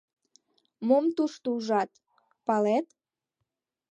Мом тушто ужат, палет?